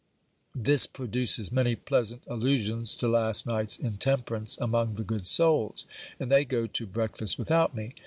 This produces many pleasant allusions to last night's intemperance among the good souls; and they go to breakfast without me.